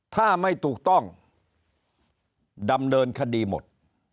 ถ้าไม่ถูกต้องดำเนินคดีหมด